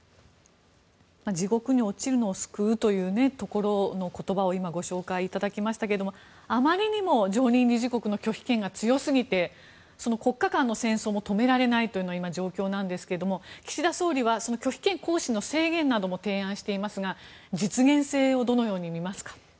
地獄に落ちるのを救うというところの言葉を今、ご紹介いただきましたがあまりにも常任理事国の拒否権が強すぎて国家間の戦争も止められないという状況なんですが岸田総理はその拒否権行使の制限なども提案していますが実現性をどのように見ますか？